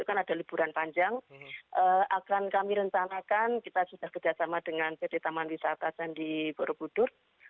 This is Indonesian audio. kan ada liburan panjang akan kami rencanakan kita sudah kerjasama dengan pt taman wisata candi borobudur